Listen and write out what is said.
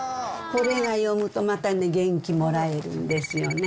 これが読むと、また元気もらえるんですよね。